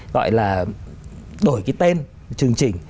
gọi là đổi cái tên chương trình